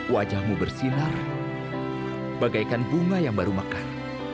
wajahmu bersinar bagaikan bunga yang baru mekar